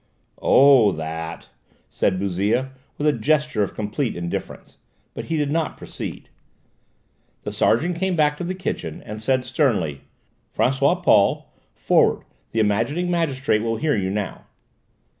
"Oh, that!" said Bouzille with a gesture of complete indifference. But he did not proceed. The sergeant came back to the kitchen and said sternly: "François Paul, forward: the examining magistrate will hear you now."